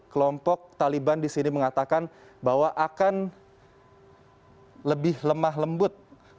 kelompok taliban disini mengatakan bahwa akan lebih lemah lembut